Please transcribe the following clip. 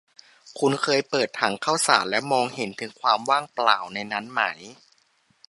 คุณเคยเปิดถังข้าวสารแล้วมองเห็นถึงความว่างเปล่าในนั้นไหม ?